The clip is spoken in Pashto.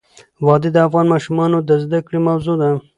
وادي د افغان ماشومانو د زده کړې موضوع ده.